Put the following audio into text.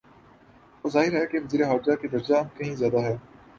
تو ظاہر ہے کہ وزیر خارجہ کا درجہ کہیں زیادہ ہے۔